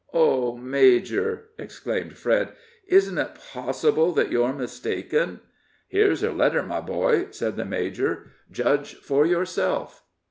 "Oh, major," exclaimed Fred, "isn't it possible that you're mistaken?" "Here's her letter, my boy," said the major; "judge for yourself."